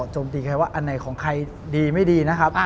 จมตีใครว่าอันไหนของใครดีไม่ดีนะครับ